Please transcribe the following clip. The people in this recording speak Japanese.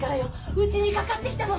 うちにかかってきたの！！